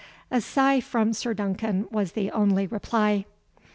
A sigh from Sir Duncan was the only reply.